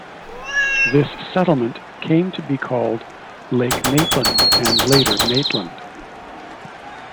This settlement came to be called Lake Maitland, and later Maitland.